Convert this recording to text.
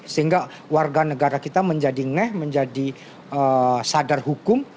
sehingga warga negara kita menjadi ngeh menjadi sadar hukum